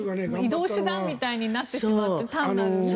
移動手段みたいになってしまって、単なる。